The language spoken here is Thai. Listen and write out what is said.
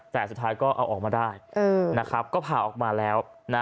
แต่สุดท้ายก็เอาออกมาได้นะครับก็ผ่าออกมาแล้ว